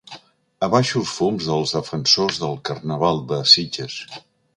Abaixo els fums dels defensors del carnaval de Sitges.